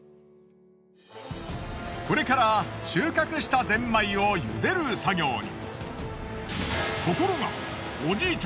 これから収穫したゼンマイを茹でる作業に。